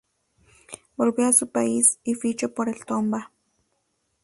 Volvió a su país y ficho por El Tomba.